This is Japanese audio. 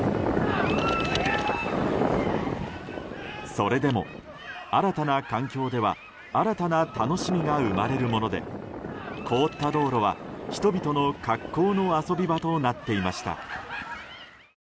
それでも、新たな環境では新たな楽しみが生まれるもので凍った道路は人々の格好の遊び場となっていました。